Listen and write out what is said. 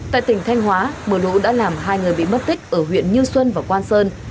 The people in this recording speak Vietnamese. tại tỉnh thanh hóa mưa lũ đã làm hai người bị mất tích ở huyện như xuân và quang sơn